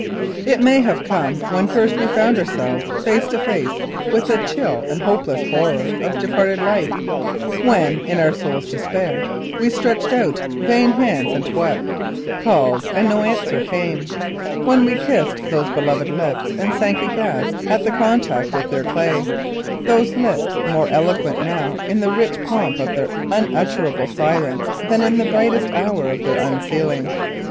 It may have come when first we found ourselves face to face with the chill and hopeless horror of departed life; when, in our soul's despair, we stretched out vain hands and wept, called and no answer came; when we kissed those beloved lips and shrunk aghast at contact with their clay, those lips more eloquent now in the rich pomp of their unutterable silence than in the brightest hour of their unsealing.